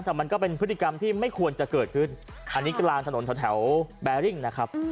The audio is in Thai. แต่มันก็เป็นพฤติกรรมที่ไม่ควรจะเกิดขึ้นอันนี้กลางถนนแถวแบริ่งนะครับ